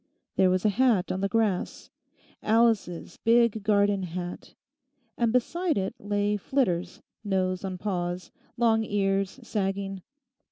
There was a hat on the grass—Alice's big garden hat—and beside it lay Flitters, nose on paws, long ears sagging.